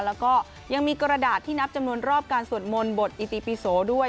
แล้วก็ยังมีกระดาษที่นับจำนวนรอบการสวดมนต์บทอิติปิโสด้วย